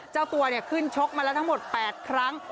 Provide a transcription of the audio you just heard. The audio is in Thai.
เจ้าตัวขึ้นชกมาแล้วทั้งหมด๘ครั้ง